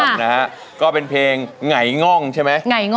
เคยพูดว่าเป็นเพลงไงง่องใช่ไหม